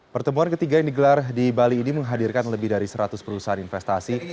pertemuan ketiga yang digelar di bali ini menghadirkan lebih dari seratus perusahaan investasi